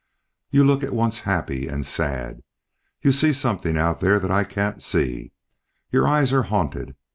You look at once happy and sad. You see something out there that I can't see. Your eyes are haunted.